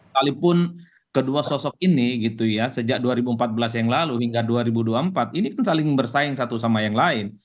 walaupun kedua sosok ini gitu ya sejak dua ribu empat belas yang lalu hingga dua ribu dua puluh empat ini kan saling bersaing satu sama yang lain